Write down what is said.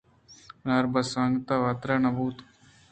بناربس انگتءَ واتر نہ بوتگ اَت